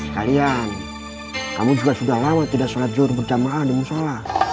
kalian kamu juga sudah lama tidak syukur berjamaah di musyola